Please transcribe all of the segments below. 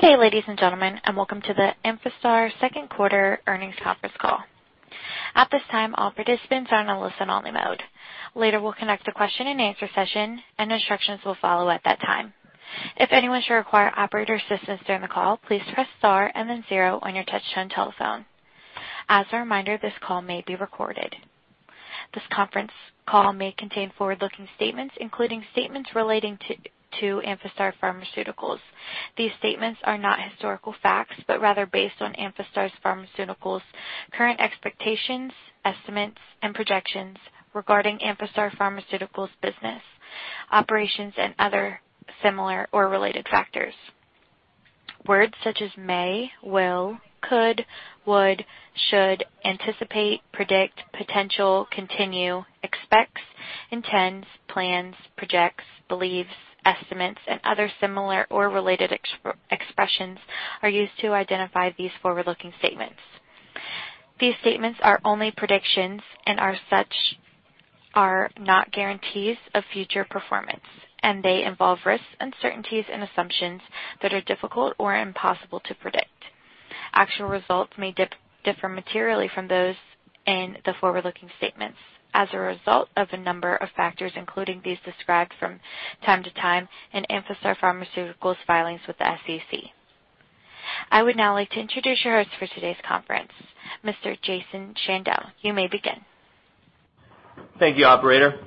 Good day, ladies and gentlemen, and welcome to the Amphastar Second Quarter Earnings Conference Call. At this time, all participants are in a listen-only mode. Later, we'll connect the question-and-answer session, and instructions will follow at that time. If anyone should require operator assistance during the call, please press star and then zero on your touch-tone telephone. As a reminder, this call may be recorded. This conference call may contain forward-looking statements, including statements relating to Amphastar Pharmaceuticals. These statements are not historical facts but rather based on Amphastar Pharmaceuticals' current expectations, estimates, and projections regarding Amphastar Pharmaceuticals' business, operations, and other similar or related factors. Words such as may, will, could, would, should, anticipate, predict, potential, continue, expects, intends, plans, projects, believes, estimates, and other similar or related expressions are used to identify these forward-looking statements. These statements are only predictions and are not guarantees of future performance, and they involve risks, uncertainties, and assumptions that are difficult or impossible to predict. Actual results may differ materially from those in the forward-looking statements as a result of a number of factors, including these described from time to time in Amphastar Pharmaceuticals' filings with the SEC. I would now like to introduce your host for today's conference, Mr. Jason Shandell. You may begin. Thank you, Operator.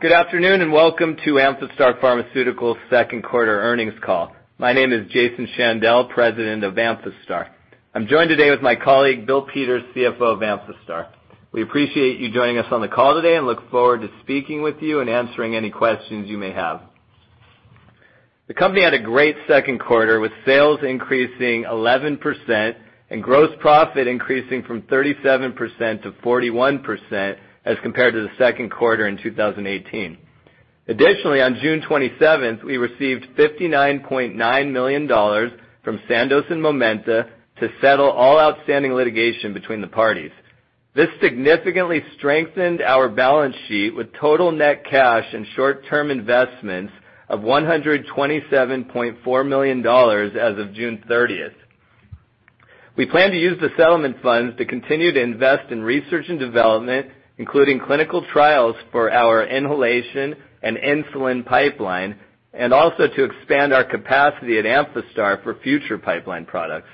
Good afternoon and welcome to Amphastar Pharmaceuticals' second quarter earnings call. My name is Jason Shandell, President of Amphastar. I'm joined today with my colleague, Bill Peters, CFO of Amphastar. We appreciate you joining us on the call today and look forward to speaking with you and answering any questions you may have. The company had a great second quarter with sales increasing 11% and gross profit increasing from 37% to 41% as compared to the second quarter in 2018. Additionally, on June 27th, we received $59.9 million from Sandoz and Momenta to settle all outstanding litigation between the parties. This significantly strengthened our balance sheet with total net cash and short-term investments of $127.4 million as of June 30th. We plan to use the settlement funds to continue to invest in research and development, including clinical trials for our inhalation and insulin pipeline, and also to expand our capacity at Amphastar for future pipeline products.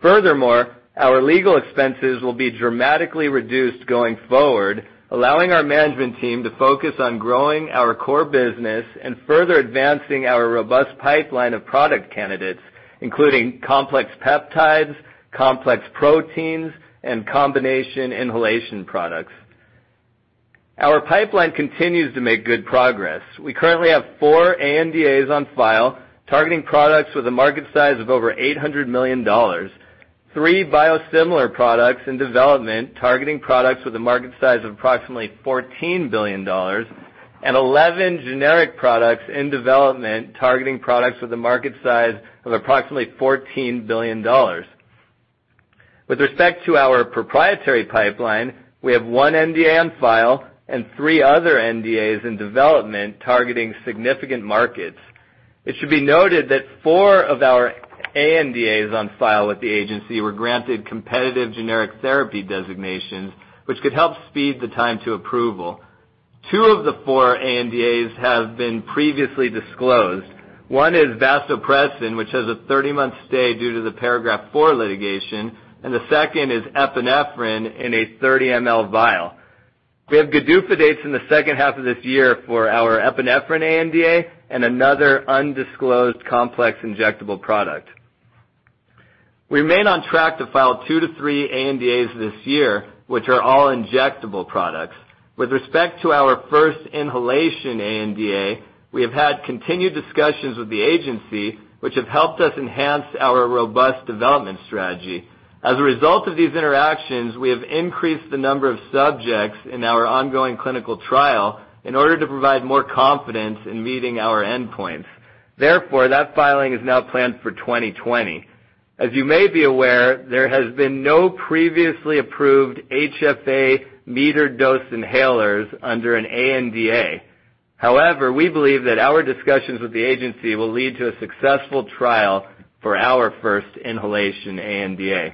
Furthermore, our legal expenses will be dramatically reduced going forward, allowing our management team to focus on growing our core business and further advancing our robust pipeline of product candidates, including complex peptides, complex proteins, and combination inhalation products. Our pipeline continues to make good progress. We currently have four ANDAs on file targeting products with a market size of over $800 million, three biosimilar products in development targeting products with a market size of approximately $14 billion, and 11 generic products in development targeting products with a market size of approximately $14 billion. With respect to our proprietary pipeline, we have one NDA on file and three other NDAs in development targeting significant markets. It should be noted that four of our ANDAs on file with the agency were granted competitive generic therapy designations, which could help speed the time to approval. Two of the four ANDAs have been previously disclosed. One is vasopressin, which has a 30-month stay due to the Paragraph IV litigation, and the second is epinephrine in a 30-mL vial. We have GDUFA dates in the second half of this year for our epinephrine ANDA and another undisclosed complex injectable product. We remain on track to file two to three ANDAs this year, which are all injectable products. With respect to our first inhalation ANDA, we have had continued discussions with the agency, which have helped us enhance our robust development strategy. As a result of these interactions, we have increased the number of subjects in our ongoing clinical trial in order to provide more confidence in meeting our endpoints. Therefore, that filing is now planned for 2020. As you may be aware, there has been no previously approved HFA metered-dose inhalers under an ANDA. However, we believe that our discussions with the agency will lead to a successful trial for our first inhalation ANDA.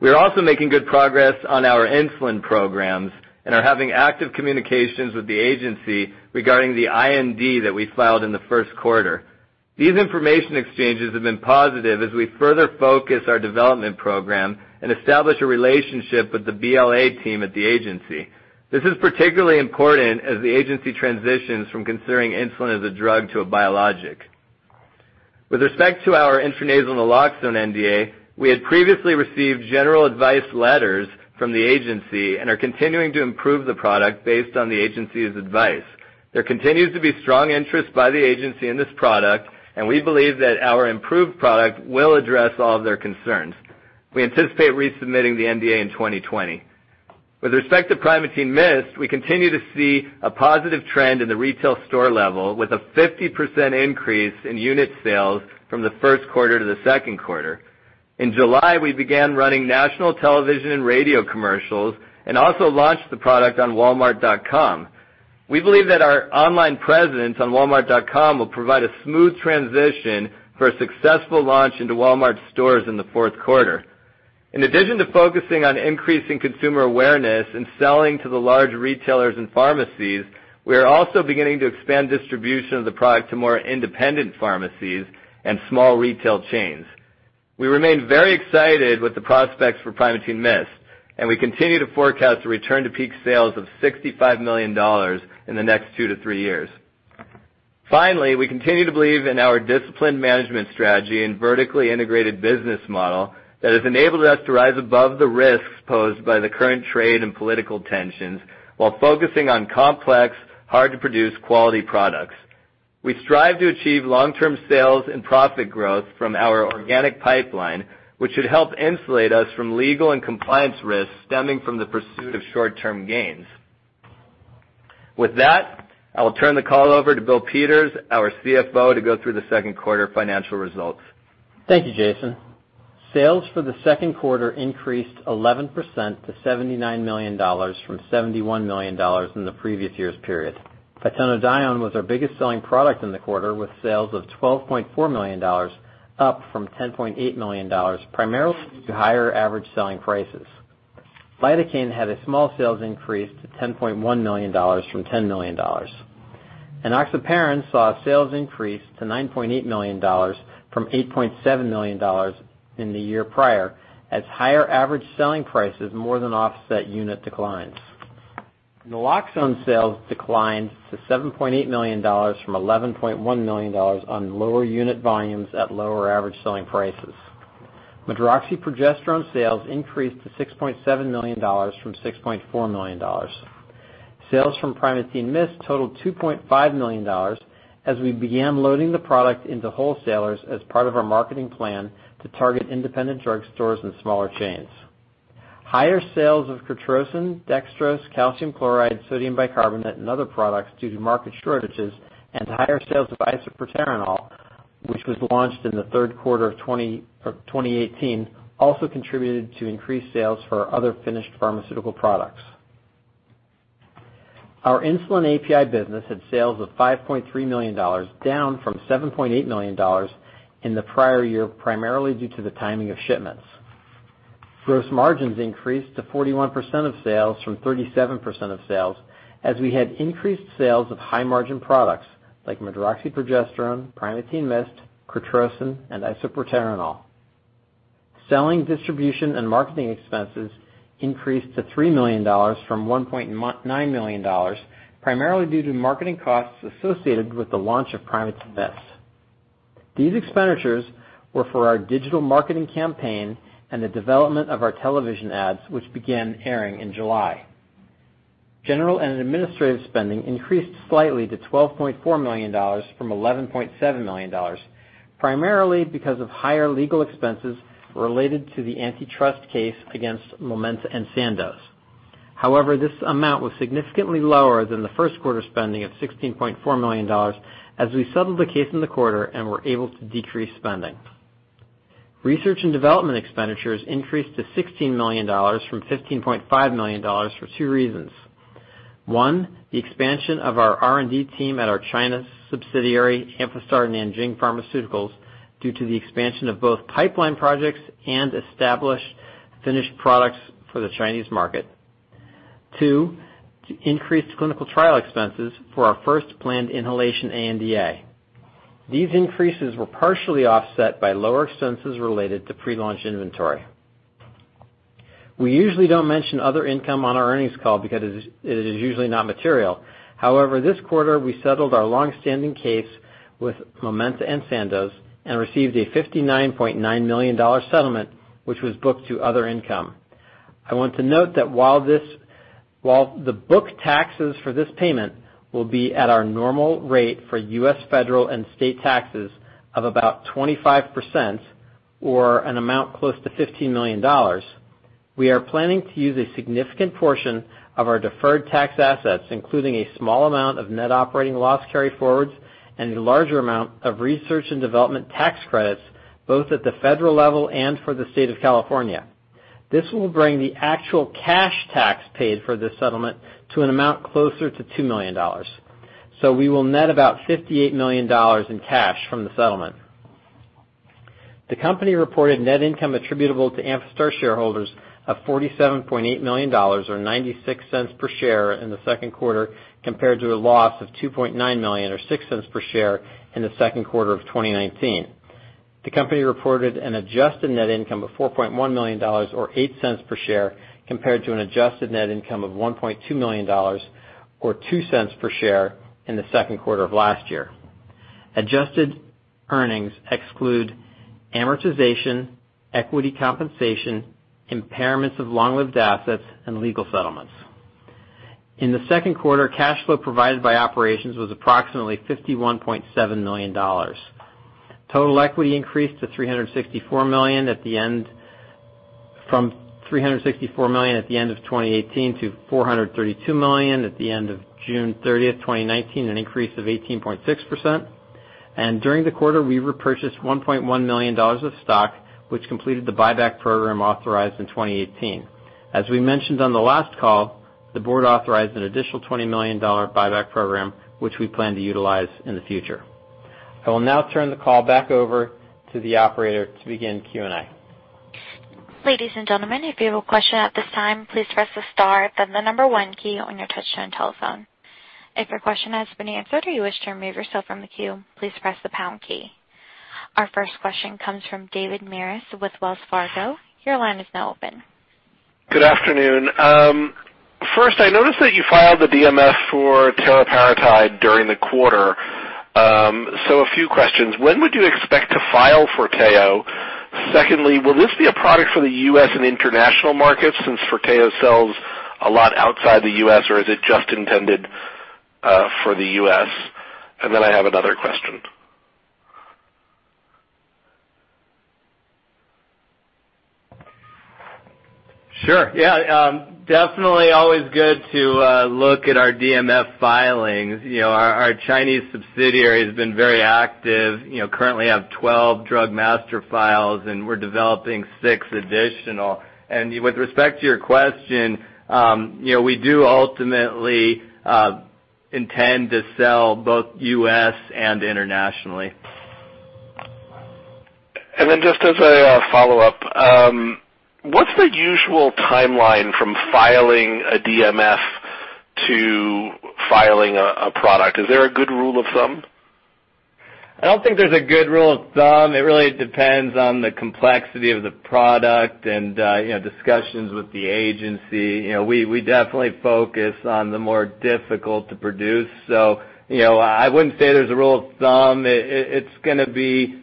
We are also making good progress on our insulin programs and are having active communications with the agency regarding the IND that we filed in the first quarter. These information exchanges have been positive as we further focus our development program and establish a relationship with the BLA team at the agency. This is particularly important as the agency transitions from considering insulin as a drug to a biologic. With respect to our intranasal naloxone NDA, we had previously received general advice letters from the agency and are continuing to improve the product based on the agency's advice. There continues to be strong interest by the agency in this product, and we believe that our improved product will address all of their concerns. We anticipate resubmitting the NDA in 2020. With respect to Primatine Mist, we continue to see a positive trend in the retail store level with a 50% increase in unit sales from the first quarter to the second quarter. In July, we began running national television and radio commercials and also launched the product on Walmart.com. We believe that our online presence on Walmart.com will provide a smooth transition for a successful launch into Walmart stores in the fourth quarter. In addition to focusing on increasing consumer awareness and selling to the large retailers and pharmacies, we are also beginning to expand distribution of the product to more independent pharmacies and small retail chains. We remain very excited with the prospects for Primatene MIST, and we continue to forecast a return to peak sales of $65 million in the next two to three years. Finally, we continue to believe in our disciplined management strategy and vertically integrated business model that has enabled us to rise above the risks posed by the current trade and political tensions while focusing on complex, hard-to-produce quality products. We strive to achieve long-term sales and profit growth from our organic pipeline, which should help insulate us from legal and compliance risks stemming from the pursuit of short-term gains. With that, I will turn the call over to Bill Peters, our CFO, to go through the second quarter financial results. Thank you, Jason. Sales for the second quarter increased 11% to $79 million from $71 million in the previous year's period. Phytonadione was our biggest selling product in the quarter, with sales of $12.4 million, up from $10.8 million, primarily due to higher average selling prices. lidocaine had a small sales increase to $10.1 million from $10 million. Enoxaparin saw a sales increase to $9.8 million from $8.7 million in the year prior, as higher average selling prices more than offset unit declines. naloxone sales declined to $7.8 million from $11.1 million on lower unit volumes at lower average selling prices. Medroxyprogesterone sales increased to $6.7 million from $6.4 million. Sales from Primatene MIST totaled $2.5 million as we began loading the product into wholesalers as part of our marketing plan to target independent drugstores and smaller chains. Higher sales of CORTROSYN, dextrose, calcium chloride, sodium bicarbonate, and other products due to market shortages, and higher sales of Isoproterenol, which was launched in the third quarter of 2018, also contributed to increased sales for other finished pharmaceutical products. Our insulin API business had sales of $5.3 million, down from $7.8 million in the prior year primarily due to the timing of shipments. Gross margins increased to 41% of sales from 37% of sales as we had increased sales of high-margin products like Medroxyprogesterone, Primatene MIST, CORTROSYN, and Isoproterenol. Selling, distribution, and marketing expenses increased to $3 million from $1.9 million, primarily due to marketing costs associated with the launch of Primatene MIST. These expenditures were for our digital marketing campaign and the development of our television ads, which began airing in July. General and administrative spending increased slightly to $12.4 million from $11.7 million, primarily because of higher legal expenses related to the antitrust case against Momenta and Sandoz. However, this amount was significantly lower than the first quarter spending of $16.4 million as we settled the case in the quarter and were able to decrease spending. Research and development expenditures increased to $16 million from $15.5 million for two reasons. One, the expansion of our R&D team at our China subsidiary, Amphastar Nanjing Pharmaceuticals, due to the expansion of both pipeline projects and established finished products for the Chinese market. Two, increased clinical trial expenses for our first planned inhalation ANDA. These increases were partially offset by lower expenses related to pre-launch inventory. We usually don't mention other income on our earnings call because it is usually not material. However, this quarter, we settled our long-standing case with Momenta and Sandoz and received a $59.9 million settlement, which was booked to other income. I want to note that while the book taxes for this payment will be at our normal rate for U.S. federal and state taxes of about 25% or an amount close to $15 million, we are planning to use a significant portion of our deferred tax assets, including a small amount of net operating loss carry forwards and a larger amount of research and development tax credits, both at the federal level and for the state of California. This will bring the actual cash tax paid for this settlement to an amount closer to $2 million. So we will net about $58 million in cash from the settlement. The company reported net income attributable to Amphastar shareholders of $47.8 million or $0.96 per share in the second quarter compared to a loss of $2.9 million or $0.06 per share in the second quarter of 2019. The company reported an adjusted net income of $4.1 million or $0.08 per share compared to an adjusted net income of $1.2 million or $0.02 per share in the second quarter of last year. Adjusted earnings exclude amortization, equity compensation, impairments of long-lived assets, and legal settlements. In the second quarter, cash flow provided by operations was approximately $51.7 million. Total equity increased from $364 million at the end of 2018 to $432 million at the end of June 30th, 2019, an increase of 18.6%, and during the quarter, we repurchased $1.1 million of stock, which completed the buyback program authorized in 2018. As we mentioned on the last call, the board authorized an additional $20 million buyback program, which we plan to utilize in the future. I will now turn the call back over to the operator to begin Q&A. Ladies and gentlemen, if you have a question at this time, please press the star, then the number one key on your touch-tone telephone. If your question has been answered or you wish to remove yourself from the queue, please press the pound key. Our first question comes from David Maris with Wells Fargo. Your line is now open. Good afternoon. First, I noticed that you filed the DMF for teriparatide during the quarter, so a few questions. When would you expect to file Forteo? Secondly, will this be a product for the U.S. and international markets since Forteo sells a lot outside the U.S., or is it just intended for the U.S., and then I have another question. Sure. Yeah. Definitely always good to look at our DMF filings. Our Chinese subsidiary has been very active. Currently, we have 12 drug master files, and we're developing six additional, and with respect to your question, we do ultimately intend to sell both U.S. and internationally. Just as a follow-up, what's the usual timeline from filing a DMF to filing a product? Is there a good rule of thumb? I don't think there's a good rule of thumb. It really depends on the complexity of the product and discussions with the agency. We definitely focus on the more difficult to produce. So I wouldn't say there's a rule of thumb. It's going to be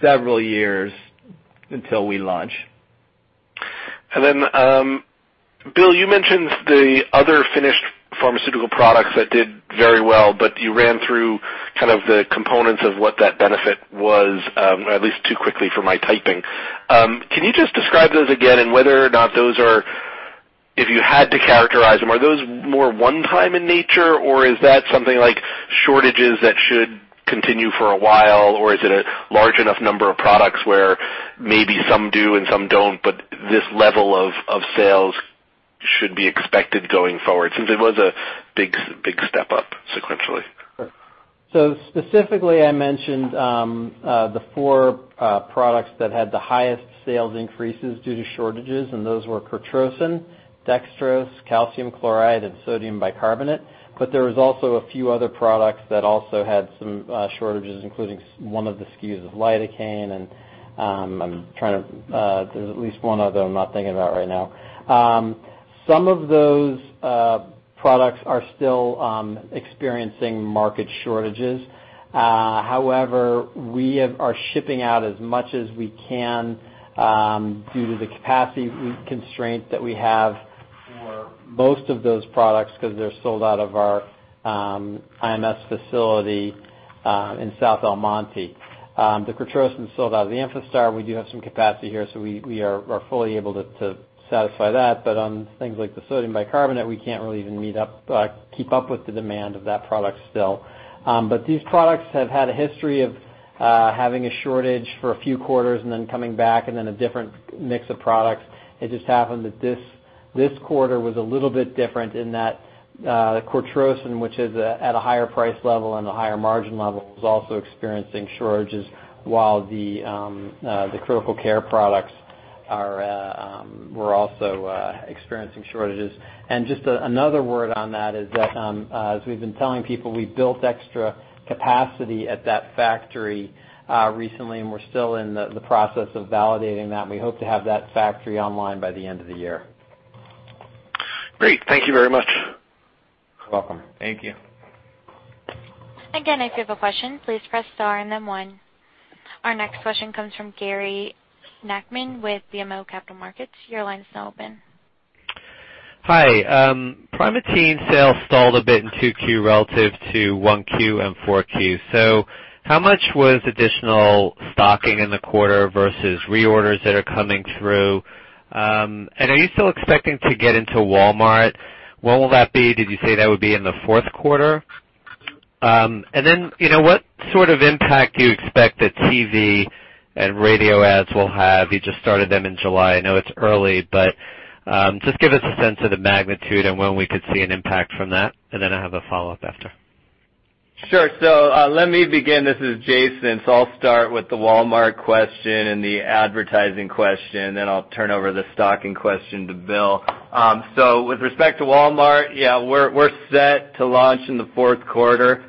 several years until we launch. And then, Bill, you mentioned the other finished pharmaceutical products that did very well, but you ran through kind of the components of what that benefit was, at least too quickly for my typing. Can you just describe those again and whether or not those are, if you had to characterize them, are those more one-time in nature, or is that something like shortages that should continue for a while, or is it a large enough number of products where maybe some do and some don't, but this level of sales should be expected going forward since it was a big step up sequentially? So specifically, I mentioned the four products that had the highest sales increases due to shortages, and those were CORTROSYN, dextrose, calcium chloride, and sodium bicarbonate. But there were also a few other products that also had some shortages, including one of the SKUs of lidocaine. And I'm trying to, there's at least one other I'm not thinking about right now. Some of those products are still experiencing market shortages. However, we are shipping out as much as we can due to the capacity constraint that we have for most of those products because they're sold out of our IMS facility in South El Monte. The CORTROSYN is sold out of the Amphastar. We do have some capacity here, so we are fully able to satisfy that. But on things like the sodium bicarbonate, we can't really even keep up with the demand of that product still. These products have had a history of having a shortage for a few quarters and then coming back and then a different mix of products. It just happened that this quarter was a little bit different in that CORTROSYN, which is at a higher price level and a higher margin level, was also experiencing shortages while the critical care products were also experiencing shortages. Just another word on that is that, as we've been telling people, we built extra capacity at that factory recently, and we're still in the process of validating that. We hope to have that factory online by the end of the year. Great. Thank you very much. You're welcome. Thank you. Again, if you have a question, please press star and then one. Our next question comes from Gary Nachman with BMO Capital Markets. Your line is now open. Hi. Primatene sales stalled a bit in 2Q relative to 1Q and 4Q. So how much was additional stocking in the quarter versus reorders that are coming through? And are you still expecting to get into Walmart? When will that be? Did you say that would be in the fourth quarter? And then what sort of impact do you expect that TV and radio ads will have? You just started them in July. I know it's early, but just give us a sense of the magnitude and when we could see an impact from that. And then I have a follow-up after. Sure. So let me begin. This is Jason. So I'll start with the Walmart question and the advertising question, then I'll turn over the stocking question to Bill. So with respect to Walmart, yeah, we're set to launch in the fourth quarter.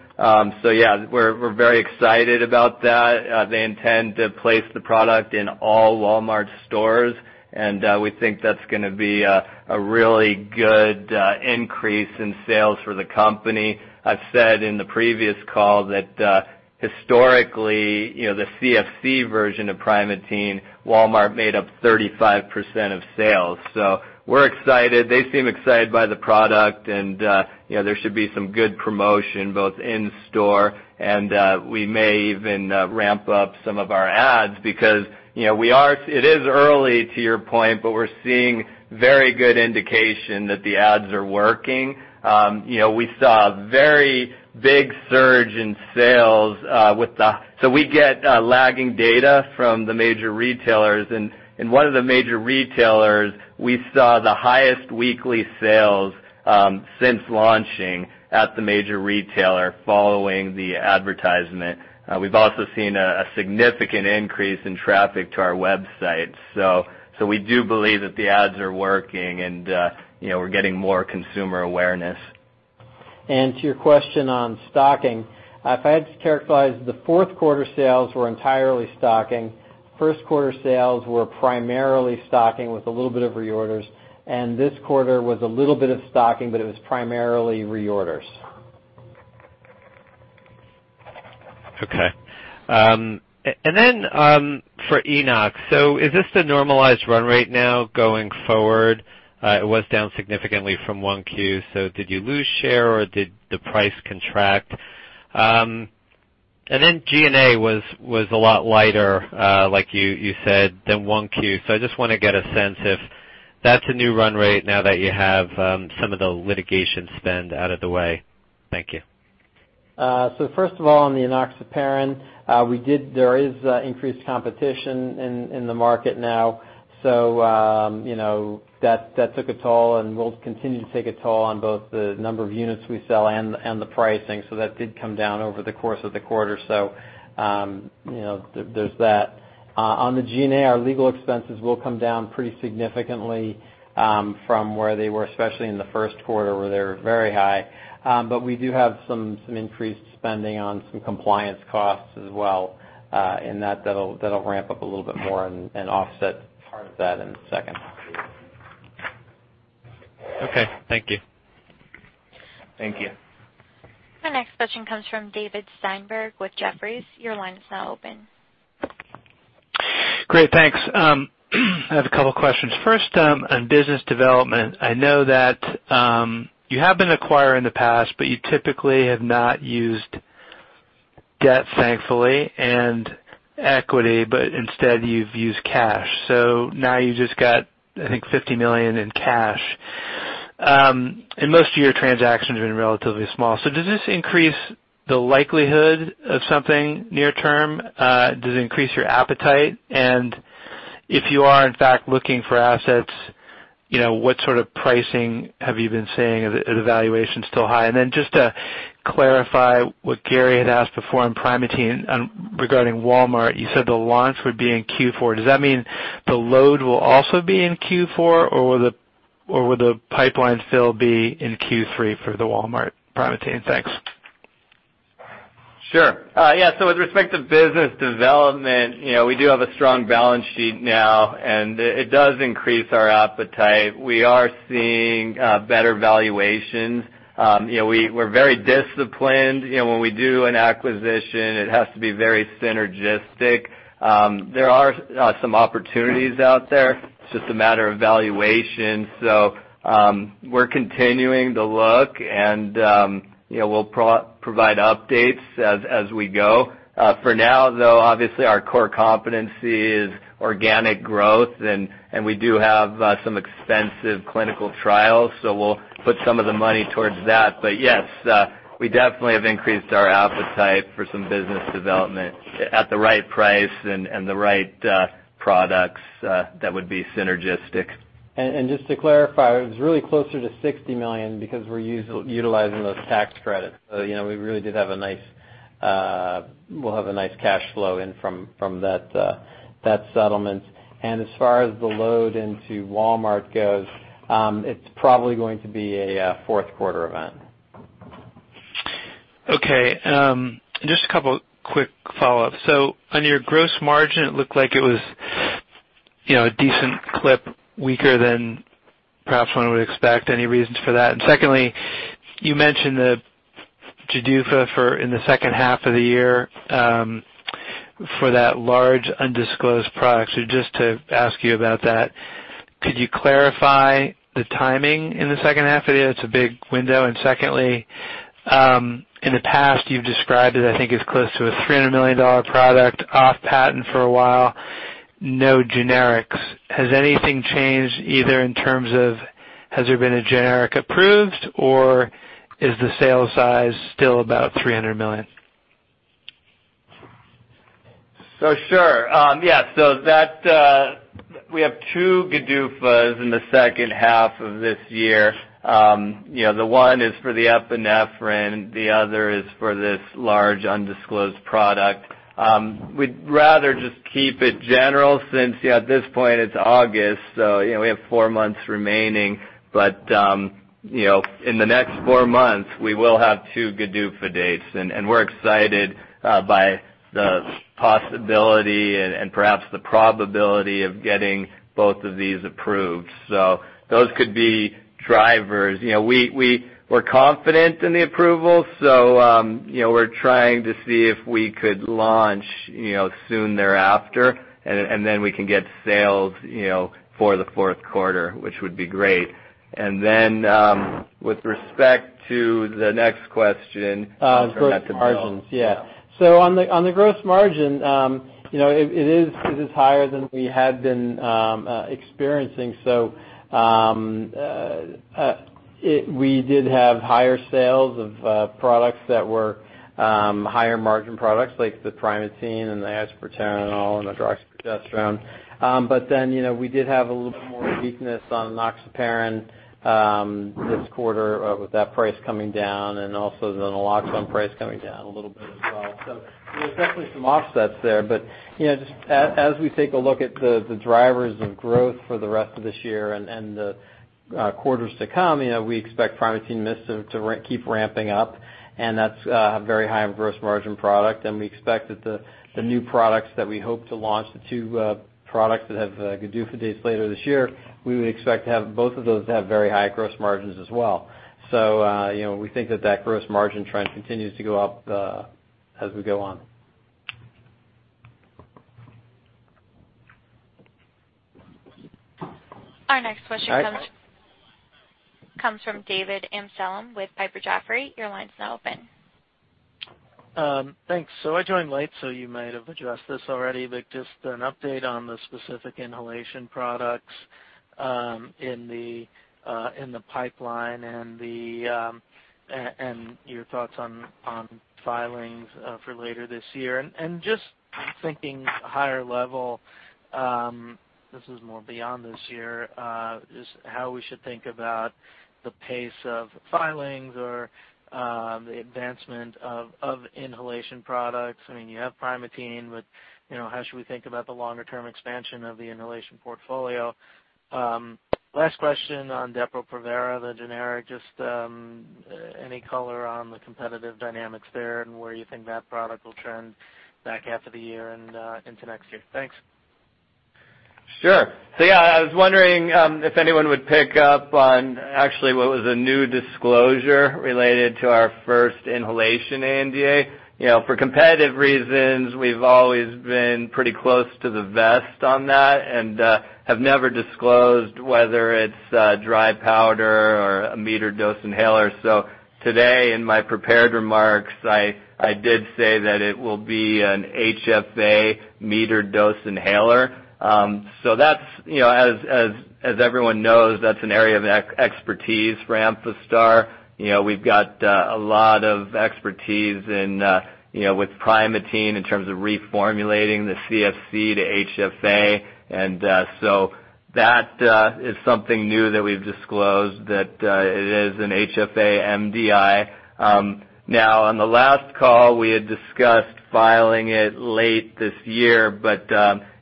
So yeah, we're very excited about that. They intend to place the product in all Walmart stores, and we think that's going to be a really good increase in sales for the company. I've said in the previous call that historically, the CFC version of Primatene. Walmart made up 35% of sales. So we're excited. They seem excited by the product, and there should be some good promotion both in store, and we may even ramp up some of our ads because it is early, to your point, but we're seeing very good indication that the ads are working. We saw a very big surge in sales. So we get lagging data from the major retailers. And in one of the major retailers, we saw the highest weekly sales since launching at the major retailer following the advertisement. We've also seen a significant increase in traffic to our website. So we do believe that the ads are working, and we're getting more consumer awareness. To your question on stocking, if I had to characterize the fourth quarter sales, we're entirely stocking. First quarter sales were primarily stocking with a little bit of reorders. This quarter was a little bit of stocking, but it was primarily reorders. Okay. And then for Enox, so is this the normalized run rate now going forward? It was down significantly from 1Q. So did you lose share, or did the price contract? And then G&A was a lot lighter, like you said, than 1Q. So I just want to get a sense if that's a new run rate now that you have some of the litigation spend out of the way. Thank you. First of all, on the Enoxaparin, there is increased competition in the market now. That took a toll, and we'll continue to take a toll on both the number of units we sell and the pricing. That did come down over the course of the quarter. There's that. On the G&A, our legal expenses will come down pretty significantly from where they were, especially in the first quarter, where they were very high. We do have some increased spending on some compliance costs as well, and that'll ramp up a little bit more and offset part of that in a second. Okay. Thank you. Thank you. Our next question comes from David Steinberg with Jefferies. Your line is now open. Great. Thanks. I have a couple of questions. First, on business development, I know that you have been acquiring in the past, but you typically have not used debt, thankfully, and equity, but instead, you've used cash. So now you just got, I think, $50 million in cash. And most of your transactions have been relatively small. So does this increase the likelihood of something near-term? Does it increase your appetite? And if you are, in fact, looking for assets, what sort of pricing have you been seeing? Is the valuation still high? And then just to clarify what Gary had asked before on Primatene regarding Walmart, you said the launch would be in Q4. Does that mean the load will also be in Q4, or will the pipeline fill be in Q3 for the Walmart Primatene? Thanks. Sure. Yeah, so with respect to business development, we do have a strong balance sheet now, and it does increase our appetite. We are seeing better valuations. We're very disciplined. When we do an acquisition, it has to be very synergistic. There are some opportunities out there. It's just a matter of valuation, so we're continuing to look, and we'll provide updates as we go. For now, though, obviously, our core competency is organic growth, and we do have some expensive clinical trials, so we'll put some of the money towards that, but yes, we definitely have increased our appetite for some business development at the right price and the right products that would be synergistic. Just to clarify, it was really closer to $60 million because we're utilizing those tax credits. So we really did have a nice. We'll have a nice cash flow in from that settlement. As far as the load into Walmart goes, it's probably going to be a fourth quarter event. Okay. Just a couple of quick follow-ups. So on your gross margin, it looked like it was a decent clip, weaker than perhaps one would expect. Any reasons for that? And secondly, you mentioned the GDUFA in the second half of the year for that large undisclosed product. So just to ask you about that, could you clarify the timing in the second half of the year? It's a big window. And secondly, in the past, you've described it, I think, as close to a $300 million product, off-patent for a while, no generics. Has anything changed either in terms of has there been a generic approved, or is the sales size still about $300 million? So, sure. Yeah. So we have two GDUFAs in the second half of this year. The one is for the epinephrine. The other is for this large undisclosed product. We'd rather just keep it general since at this point, it's August, so we have four months remaining. But in the next four months, we will have two GDUFA dates. And we're excited by the possibility and perhaps the probability of getting both of these approved. So those could be drivers. We're confident in the approval, so we're trying to see if we could launch soon thereafter, and then we can get sales for the fourth quarter, which would be great. And then with respect to the next question. Oh, gross margins. Yeah. So on the gross margin, it is higher than we had been experiencing. So we did have higher sales of products that were higher margin products like the Primatene and the Amphastar and all and the medroxyprogesterone. But then we did have a little bit more weakness on Enoxaparin this quarter with that price coming down and also the naloxone price coming down a little bit as well. So there's definitely some offsets there. But just as we take a look at the drivers of growth for the rest of this year and the quarters to come, we expect Primatene MIST to keep ramping up, and that's a very high gross margin product. We expect that the new products that we hope to launch, the two products that have GDUFA dates later this year, we would expect both of those to have very high gross margins as well. We think that that gross margin trend continues to go up as we go on. Our next question comes from David Amsalem with Piper Sandler. Your line is now open. Thanks. So I joined late, so you might have addressed this already, but just an update on the specific inhalation products in the pipeline and your thoughts on filings for later this year. And just thinking at a higher level, this is more beyond this year, just how we should think about the pace of filings or the advancement of inhalation products. I mean, you have Primatene, but how should we think about the longer-term expansion of the inhalation portfolio? Last question on Depo-Provera, the generic. Just any color on the competitive dynamics there and where you think that product will trend back after the year and into next year? Thanks. Sure. So yeah, I was wondering if anyone would pick up on actually what was a new disclosure related to our first inhalation ANDA. For competitive reasons, we've always been pretty close to the vest on that and have never disclosed whether it's dry powder or a metered dose inhaler. So today, in my prepared remarks, I did say that it will be an HFA metered dose inhaler. So as everyone knows, that's an area of expertise for Amphastar. We've got a lot of expertise with Primatene in terms of reformulating the CFC to HFA. And so that is something new that we've disclosed that it is an HFA MDI. Now, on the last call, we had discussed filing it late this year, but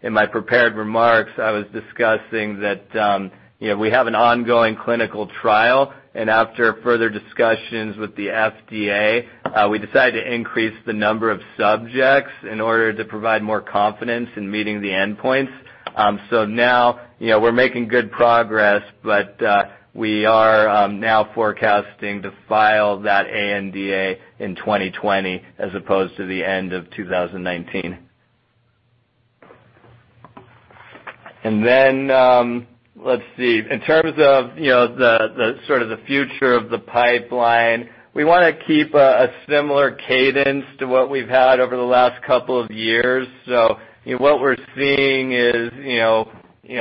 in my prepared remarks, I was discussing that we have an ongoing clinical trial. After further discussions with the FDA, we decided to increase the number of subjects in order to provide more confidence in meeting the endpoints. Now we're making good progress, but we are now forecasting to file that ANDA in 2020 as opposed to the end of 2019. In terms of sort of the future of the pipeline, we want to keep a similar cadence to what we've had over the last couple of years. What we're seeing is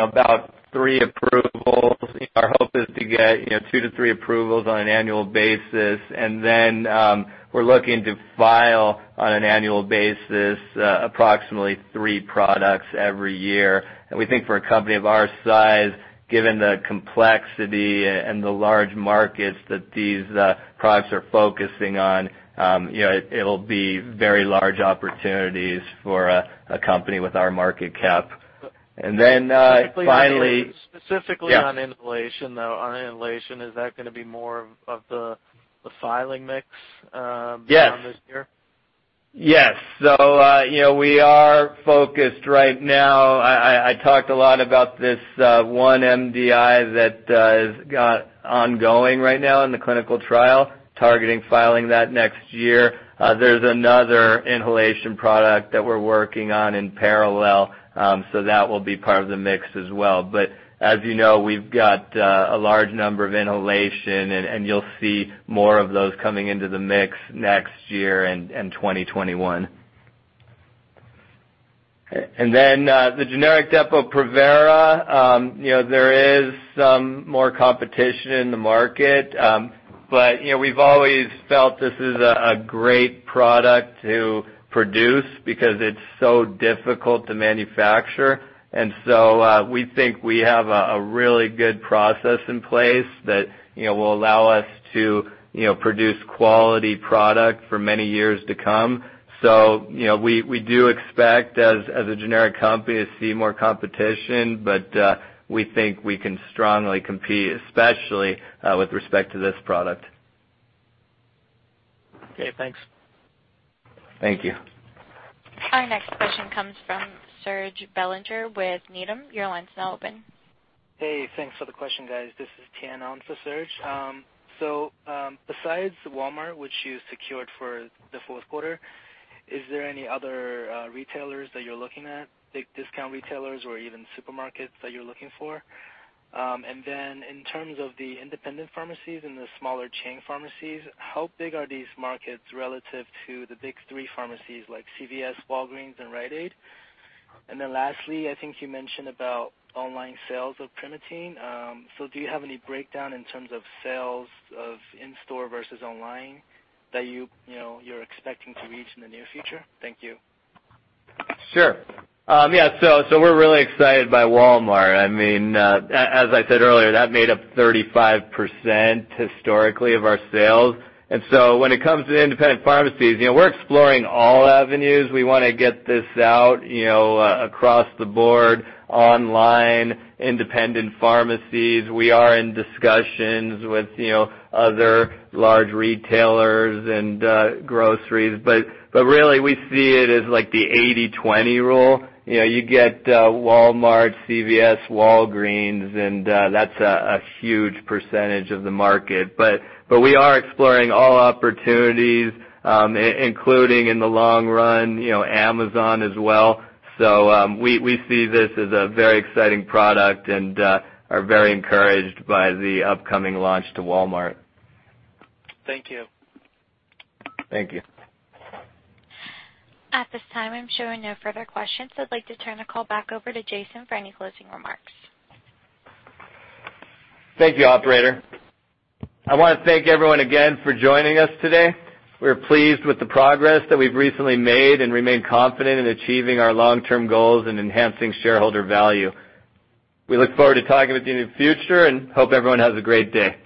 about three approvals. Our hope is to get two to three approvals on an annual basis. We're looking to file on an annual basis approximately three products every year. We think for a company of our size, given the complexity and the large markets that these products are focusing on, it'll be very large opportunities for a company with our market cap. And then finally. Specifically on inhalation, though, on inhalation, is that going to be more of the filing mix on this year? Yes, so we are focused right now. I talked a lot about this one MDI that is ongoing right now in the clinical trial, targeting filing that next year. There's another inhalation product that we're working on in parallel, so that will be part of the mix as well. But as you know, we've got a large number of inhalation, and you'll see more of those coming into the mix next year and 2021, and then the generic Depo-Provera, there is some more competition in the market, but we've always felt this is a great product to produce because it's so difficult to manufacture. And so we think we have a really good process in place that will allow us to produce quality product for many years to come. We do expect as a generic company to see more competition, but we think we can strongly compete, especially with respect to this product. Okay. Thanks. Thank you. Our next question comes from Serge Belanger with Needham. Your line is now open. Hey. Thanks for the question, guys. This is Tian Nao for Serge. So besides Walmart, which you secured for the fourth quarter, is there any other retailers that you're looking at, big discount retailers or even supermarkets that you're looking for? And then in terms of the independent pharmacies and the smaller chain pharmacies, how big are these markets relative to the big three pharmacies like CVS, Walgreens, and Rite Aid? And then lastly, I think you mentioned about online sales of Primatene. So do you have any breakdown in terms of sales of in-store versus online that you're expecting to reach in the near future? Thank you. Sure. Yeah. So we're really excited by Walmart. I mean, as I said earlier, that made up 35% historically of our sales. And so when it comes to independent pharmacies, we're exploring all avenues. We want to get this out across the board, online, independent pharmacies. We are in discussions with other large retailers and groceries. But really, we see it as the 80/20 rule. You get Walmart, CVS, Walgreens, and that's a huge percentage of the market. But we are exploring all opportunities, including in the long run, Amazon as well. So we see this as a very exciting product and are very encouraged by the upcoming launch to Walmart. Thank you. Thank you. At this time, I'm showing no further questions. I'd like to turn the call back over to Jason for any closing remarks. Thank you, operator. I want to thank everyone again for joining us today. We're pleased with the progress that we've recently made and remain confident in achieving our long-term goals and enhancing shareholder value. We look forward to talking with you in the future and hope everyone has a great day.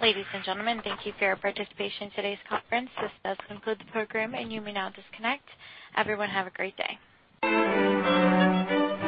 Ladies and gentlemen, thank you for your participation in today's conference. This does conclude the program, and you may now disconnect. Everyone, have a great day.